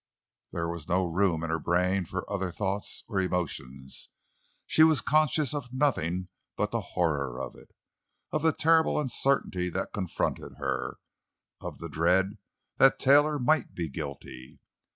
There was no room in her brain for other thoughts or emotions; she was conscious of nothing but the horror of it; of the terrible uncertainty that confronted her—of the dread that Taylor might be guilty!